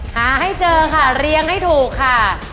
หาให้เจอค่ะเรียงให้ถูกค่ะ